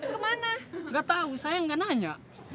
ketau saya nggak nanya